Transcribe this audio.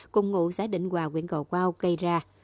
cùng ngụ xã định hòa huyện gò quao gây ra